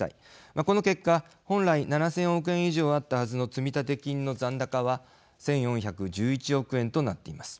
この結果、本来７０００億円以上あったはずの積立金の残高は１４１１億円となっています。